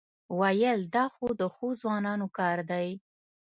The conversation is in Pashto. وېل دا خو د ښو ځوانانو کار دی.